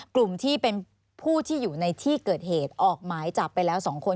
กลุ่มที่เป็นผู้ที่อยู่ในที่เกิดเหตุออกหมายจับไปแล้ว๒คน